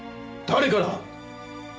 誰から？